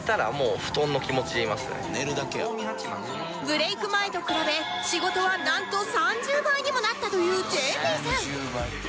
ブレイク前と比べ仕事はなんと３０倍にもなったという ＪＰ さん